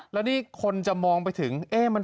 แล้วนี่คนจะมองไปถึง